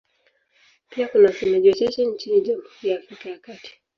Pia kuna wasemaji wachache nchini Jamhuri ya Afrika ya Kati.